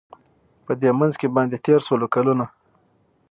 په دې منځ کي باندی تېر سوله کلونه